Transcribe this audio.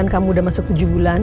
kamu udah masuk tujuh bulan